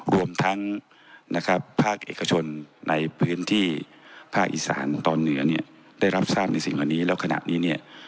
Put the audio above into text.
รวมทั้งนะครับภาคเอกชนในพื้นที่ภาคอีสานตอนเหนือเนี่ยได้รับทราบในสิ่งเหล่านี้แล้วขณะนี้เนี่ย